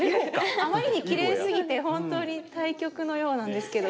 あまりにきれいすぎて本当に対局のようなんですけど。